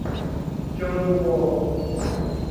โจ นูโว